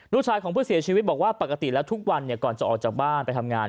ลูกชายของผู้เสียชีวิตบอกว่าปกติแล้วทุกวันก่อนจะออกจากบ้านไปทำงาน